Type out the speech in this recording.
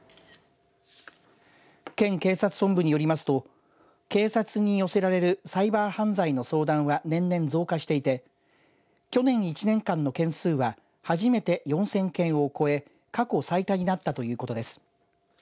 県警察本部によりますと警察に寄せられるサイバー犯罪の相談は年々増加していて去年１年間の件数は初めて４０００件を超え過去最多になったということです。